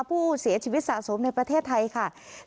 ผู้เสียชีวิตสะสมในประเทศไทยค่ะ